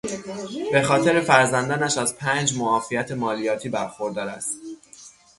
به خاطر فرزندانش از پنج معافیت مالیاتی برخوردار است.